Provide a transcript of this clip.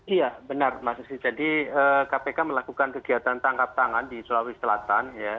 iya benar mas susi jadi kpk melakukan kegiatan tangkap tangan di sulawesi selatan